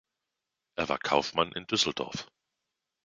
Er war Kaufmann in Düsseldorf.